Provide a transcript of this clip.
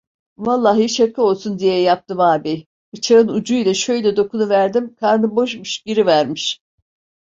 Vallahi şaka olsun diye yaptım ağabey, bıçağın ucuyla şöyle dokunuverdim, karnı boşmuş, girivermiş!